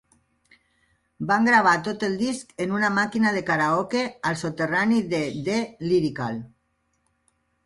Van gravar tot el disc en una màquina de karaoke al soterrani de D-Lyrical.